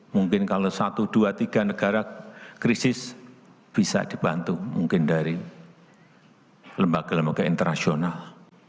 mungkin kalau satu dua tiga negara krisis bisa dibantu mungkin dari lembaga lembaga internasional